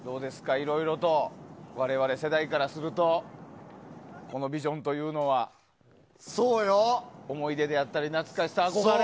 いろいろと我々世代からするとこのビジョンというのは思い出であったり懐かしさ、憧れ。